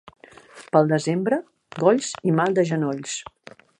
Pel desembre, golls i mal de genolls.